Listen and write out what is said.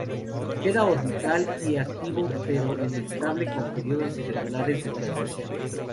Queda orbital y activo pero inestable, con períodos irregulares de transmisión.